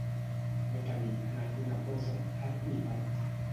No tenir, en alguna cosa, art ni part.